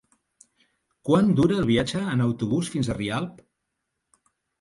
Quant dura el viatge en autobús fins a Rialp?